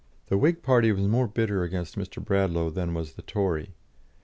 The Whig party was more bitter against Mr. Bradlaugh than was the Tory.